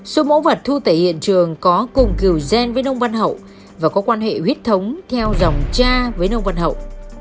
số mẫu vật thu tại hiện trường có cùng kiều gen với nông văn hậu và có quan hệ huyết thống theo dòng cha với nông văn hậu